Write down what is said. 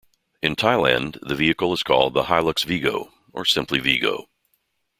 In Thailand, the vehicle is called the Hilux Vigo, or simply Vigo.